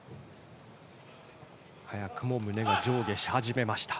早くも胸が上下し始めました。